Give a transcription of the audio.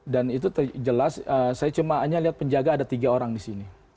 dan itu terjelas saya cuma hanya lihat penjaga ada tiga orang di sini